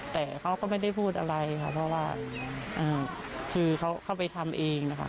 แต่เขาก็ไม่ได้พูดอะไรค่ะเพราะว่าคือเขาเข้าไปทำเองนะคะ